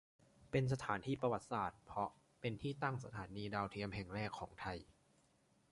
เป็นสถานที่ประวัติศาสตร์เพราะเป็นที่ตั้งสถานีดาวเทียมแห่งแรกของไทย